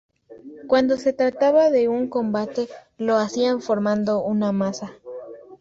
Cuando se trataba de un combate, lo hacían formando una masa.